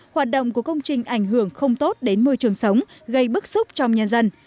hoạt động của công trình ảnh hưởng không tốt đến môi trường sống gây bức xúc trong nhân dân